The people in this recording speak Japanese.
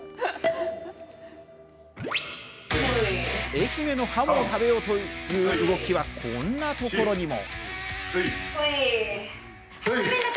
愛媛のハモを食べようという動きはこんなところにも。